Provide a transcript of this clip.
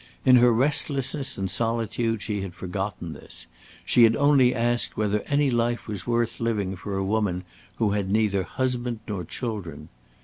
In her restlessness and solitude, she had forgotten this; she had only asked whether any life was worth living for a woman who had neither husband nor children.